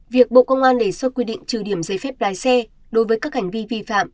việc bộ công an đề xuất quy định trừ điểm giấy phép lái xe đối với các hành vi vi phạm